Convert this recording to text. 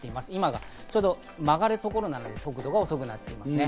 ちょうど今、曲がるところなので速度が遅くなっていますね。